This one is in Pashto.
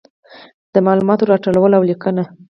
د معلوماتو راټولول او لیکنه.